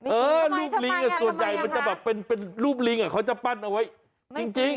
เออรูปลิงส่วนใหญ่มันจะเป็นรูปลิงเค้าจะปั่นเอาไว้